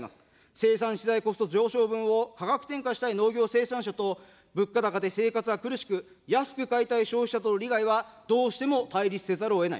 生産資材コスト上昇分を価格転嫁したい農業生産者と、物価高で生活が苦しく、安く買いたい消費者との利害はどうしても対立せざるをえない。